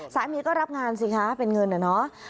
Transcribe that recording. สามีก็รับงานสิคะเป็นเงินอะเนาะ